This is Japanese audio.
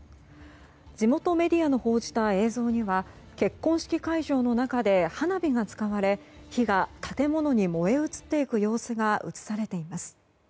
地元メディアの報じた映像には結婚式会場の中で花火が使われ火が建物に燃え移っていく様子が映されています。